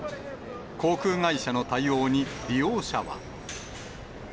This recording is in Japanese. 航空会社の対応に利用者は。